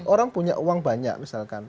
orang punya uang banyak misalkan